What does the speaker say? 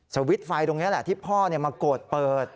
สวิตช์ไฟตรงนี้แหละที่พ่อมากดเปิด